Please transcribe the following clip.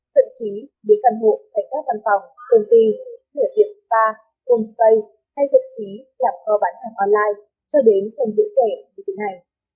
thậm chí để căn hộ thành các văn phòng công ty thửa tiệm spa home stay hay thật chí làm kho bán hàng online cho đến trong giữa trẻ như thế này